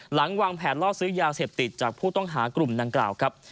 หลังวางแผนล่อซื้อยาเสพติดจากผู้ต้องหากลุ่มดังกล่าวครับ